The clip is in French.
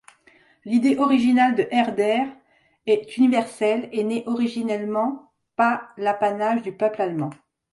L'idée originale de Herder est universelle et n'est, originellement, pas l'apanage du peuple allemand.